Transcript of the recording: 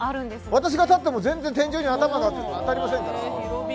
私が立っても、全然天井に頭が当たりませんから。